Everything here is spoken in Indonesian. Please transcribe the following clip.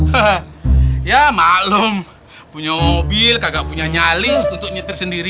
he he ya maklum punya mobil kagak punya nyaling untuk nyetir sendiri